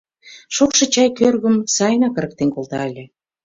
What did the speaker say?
Шокшо чай кӧргым сайынак ырыктен колта ыле.